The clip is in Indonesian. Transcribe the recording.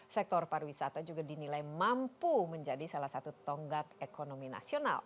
sektor pariwisata juga dinilai mampu menjadi salah satu tonggak ekonomi nasional